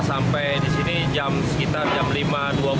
sampai di sini sekitar jam lima dua puluh